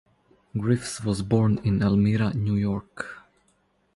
Griffes was born in Elmira, New York.